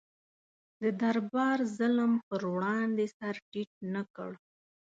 د دربار ظلم پر وړاندې سر ټیټ نه کړ.